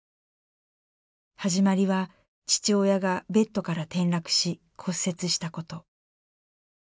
始まりは父親がベッドから転落し骨折したこと。